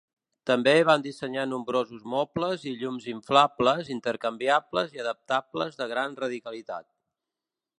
També van dissenyar nombrosos mobles i llums inflables, intercanviables i adaptables de gran radicalitat.